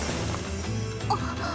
あっ！